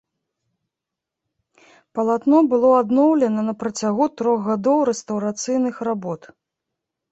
Палатно было адноўлена на працягу трох гадоў рэстаўрацыйных работ.